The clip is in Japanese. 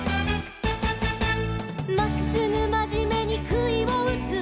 「まっすぐまじめにくいをうつ」